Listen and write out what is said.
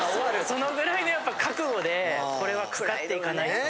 そのぐらいのやっぱ覚悟でこれはかかっていかないと。